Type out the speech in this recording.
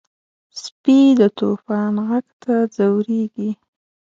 سپي د طوفان غږ ته ځورېږي.